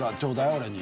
俺に。